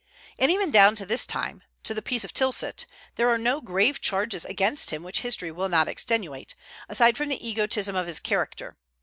And even down to this time to the peace of Tilsit there are no grave charges against him which history will not extenuate, aside from the egotism of his character.